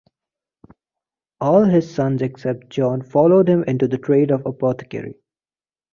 All of his sons except John followed him into the trade of apothecary.